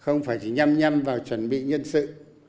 không phải chỉ nhâm nhâm vào chuẩn bị nhân sự